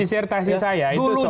disertasi saya itu soal